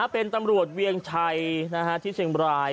เป็นตำรวจเวียงชัยที่เชียงบราย